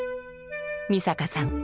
美坂さん